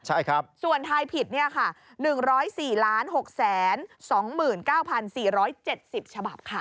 ใช่ครับส่วนทายผิดเนี่ยค่ะ๑๐๔๖๒๙๔๗๐ฉบับค่ะ